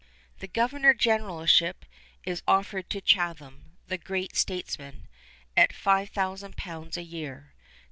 The governor generalship is offered to Chatham, the great statesman, at 5000 pounds a year.